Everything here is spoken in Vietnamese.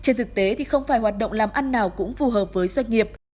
trên thực tế thì không phải hoạt động làm ăn nào cũng phù hợp với doanh nghiệp